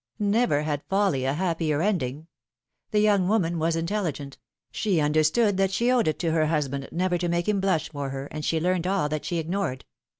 Never had folly a happier ending ! The young woman was intelligent; she understood that she owed it to her husband never to make him blush for her, and she learned all that she ignored.